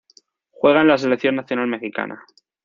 Juega en la Selección Nacional Mexicana.